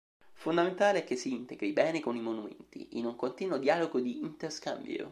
Fondamentale è che s'integri bene con i monumenti, in un continuo dialogo di interscambio.